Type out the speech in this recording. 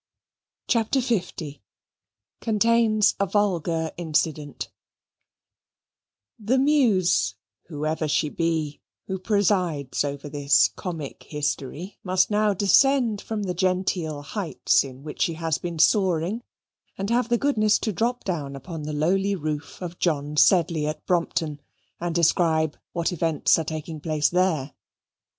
CHAPTER L Contains a Vulgar Incident The Muse, whoever she be, who presides over this Comic History must now descend from the genteel heights in which she has been soaring and have the goodness to drop down upon the lowly roof of John Sedley at Brompton, and describe what events are taking place there.